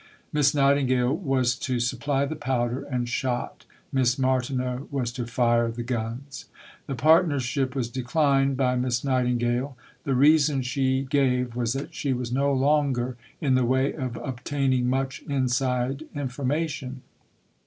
Miss Nightingale was to supply the powder and shot; Miss Martineau was to fire the guns. The partnership was declined by Miss Nightingale. The reason she gave was that she was no longer in the way of obtaining much inside information.